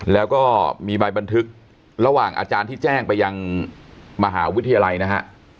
แล้วก็มีใบบันทึกระหว่างอาจารย์ที่แจ้งไปยังมหาวิทยาลัยนะฮะ